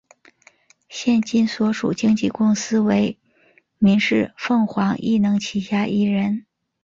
现今所属经纪公司为民视凤凰艺能旗下艺人。